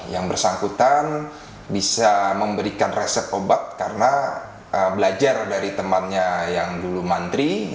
yang bersangkutan bisa memberikan resep obat karena belajar dari temannya yang dulu mantri